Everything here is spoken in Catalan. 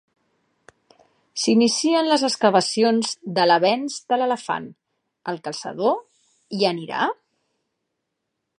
S'inicien les excavacions de l'Avenc de l'Elefant. El caçador, hi anirà?